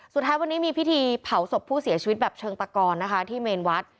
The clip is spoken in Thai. สุดท้ายวันนี้มีพิธีเผาศพผู้เสียชีวิตแบบเชิงตะกอนนะคะที่เมนวัด